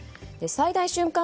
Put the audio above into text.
最大瞬間